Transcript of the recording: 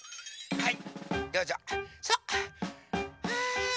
はい！